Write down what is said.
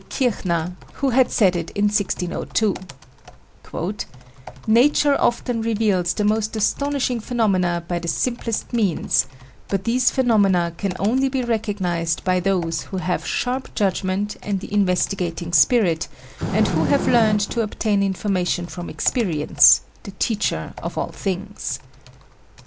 Kirchner, who had said it in 1602 : "Nature often reveals the most astonishing phenomena by the simplest means, but these phenomena can only be recognized by those who have sharp judgment and the investigating spirit, and who have learned to obtain information from experience, the teacher of all things."